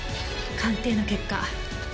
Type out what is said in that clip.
鑑定の結果